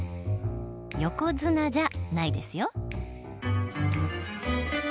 横綱じゃないですよ。